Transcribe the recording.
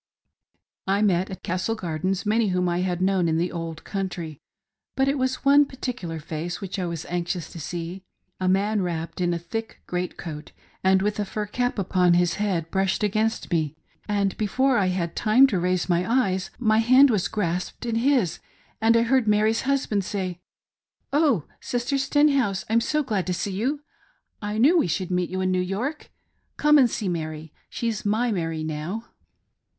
I met at Castle Gardens many whom I had known in the old country ; but it was one particular face which I was anx ious to see. A man wrapped in a thick great coat, and with a fur cap upon his head, brushed against me ; and before I had time to raise my eyes, my hand was grasped in his, and I heard Mary's husband say " Oh Sister Stenhouse, I'm so glad to see you : I knew we should meet you in New York. Come and see Mary. She's my Mary now!